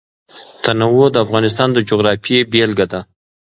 تنوع د افغانستان د جغرافیې بېلګه ده.